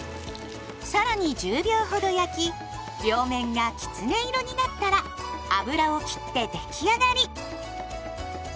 さらに１０秒ほど焼き両面がきつね色になったら油を切って出来上がり。